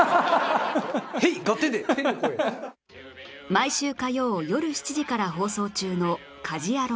毎週火曜夜７時から放送中の『家事ヤロウ！！！』